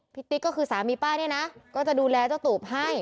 นี่คือสามีป้านี้นะก็จะดูแลเจ้าตูบให้